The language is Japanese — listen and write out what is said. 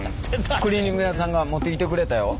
クリーニング屋さんが持ってきてくれたよ。